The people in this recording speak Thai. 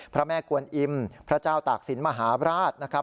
พระแม่กวนอิมพระเจ้าตากศิลป์มหาราชนะครับ